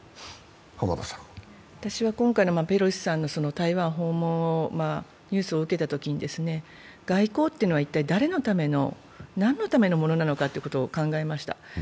私は今回のペロシさんの台湾訪問のニュースを受けたときに外交っていうのは一体誰のための、何のためのものなのかと考えました。